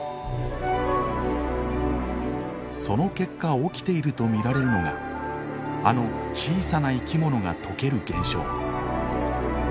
その結果起きていると見られるのがあの小さな生き物が溶ける現象。